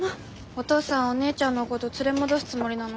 お父さんお姉ちゃんのごど連れ戻すつもりなの？